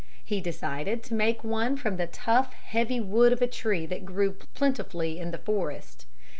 He decided to make one from the tough heavy wood of a tree that grew plentifully in the forest.